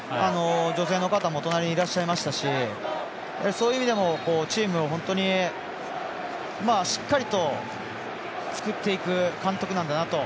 女性の方も隣にいらっしゃいましたしそういう意味でもチームを本当にしっかりと作っていく監督なんだなと。